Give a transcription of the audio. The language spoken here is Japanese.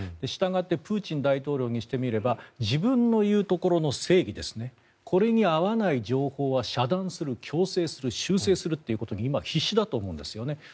したがってプーチン大統領にしてみれば自分の言うところの正義これに合わない情報は遮断する強制する、修正するということに今、必至だと思うんですよね。